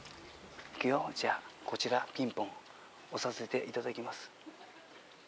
こちらピンポン押させていただきます。